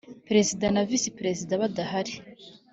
Perezida na Visi Perezida badahari